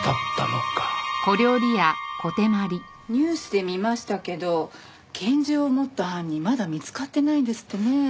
ニュースで見ましたけど拳銃を持った犯人まだ見つかってないんですってねえ。